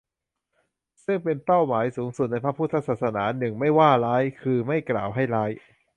ซึ่งเป็นเป้าหมายสูงสุดในพระพุทธศาสนา หนึ่ง ไม่ว่าร้าย คือ ไม่กล่าวให้ร้าย